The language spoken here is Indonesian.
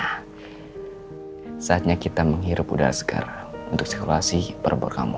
nah saatnya kita menghirup udara segar untuk seksualisasi perubahan kamu